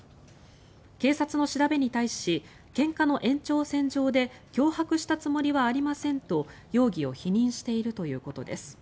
警察の調べに対しけんかの延長線上で脅迫したつもりはありませんと容疑を否認しているということです。